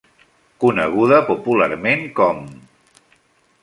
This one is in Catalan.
Coneguda popularment com: